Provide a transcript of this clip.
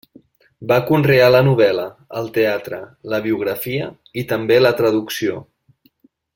Va conrear la novel·la, el teatre, la biografia i també la traducció.